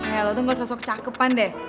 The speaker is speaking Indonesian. ya lo tuh nggak sosok cakepan deh